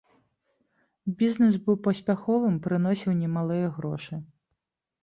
Бізнэс быў паспяховым, прыносіў немалыя грошы.